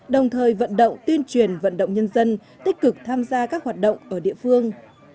đồng thời vận động tuyên truyền vận động nhân dân tích cực tham gia các hoạt động ở địa phương